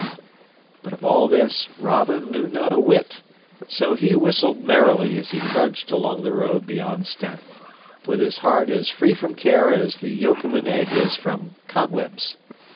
But of all this Robin knew not a whit; so he whistled merrily as he trudged along the road beyond Stanton, with his heart as free from care as the yolk of an egg is from cobwebs.